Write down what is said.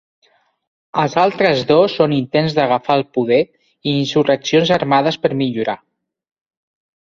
Els altres dos són intents d'agafar el poder i insurreccions armades per millorar.